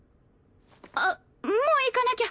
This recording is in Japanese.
あっもう行かなきゃ。